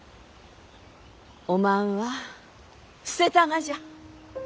おまんは捨てたがじゃ。